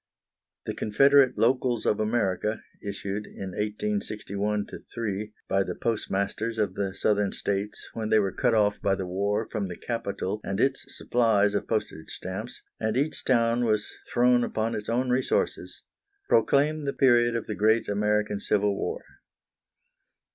The Confederate locals of America, issued, in 1861 3, by the postmasters of the Southern States when they were cut off by the war from the capital and its supplies of postage stamps, and each town was thrown upon its own resources, proclaim the period of the great American Civil War.